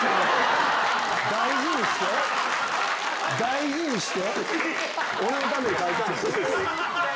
大事にして！